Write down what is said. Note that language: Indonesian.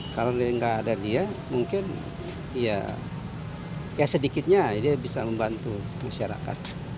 kalau nggak ada dia mungkin ya sedikitnya dia bisa membantu masyarakat